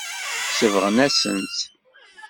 Sebɣent-asen-tt.